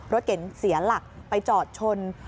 รถเก๋งเสียหลักไปจอดชน